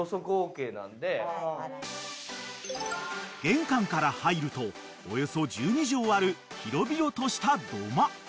［玄関から入るとおよそ１２畳ある広々とした土間］